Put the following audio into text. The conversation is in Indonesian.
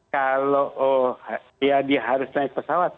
kalau ya dia harus naik pesawat